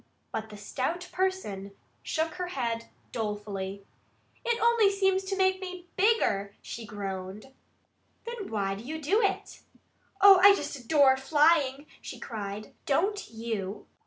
But the stout person shook her head dolefully. "It only seems to make me bigger," she groaned. "Then why do you do it?" "Oh, I just adore flying!" she cried. "Don't you?"